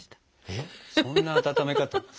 えっそんな温め方。